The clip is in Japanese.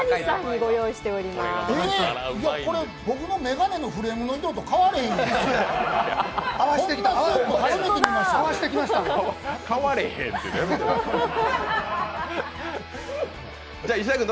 これ僕の眼鏡のフレームの色と変わらへん。